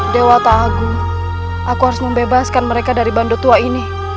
dewa ta'agu aku harus membebaskan mereka dari bandot tua ini